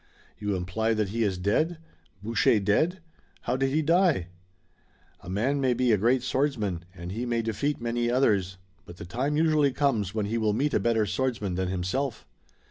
"You imply that he is dead? Boucher dead! How did he die?" "A man may be a great swordsman, and he may defeat many others, but the time usually comes when he will meet a better swordsman than himself."